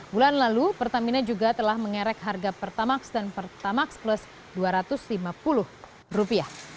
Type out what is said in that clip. bulan lalu pertamina juga telah mengerek harga pertamax dan pertamax plus rp dua ratus lima puluh